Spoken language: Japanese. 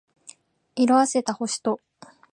色褪せた星と